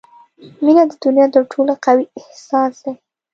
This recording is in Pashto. • مینه د دنیا تر ټولو قوي احساس دی.